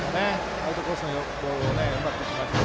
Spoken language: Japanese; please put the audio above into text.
アウトコースのボールをうまく打ちました。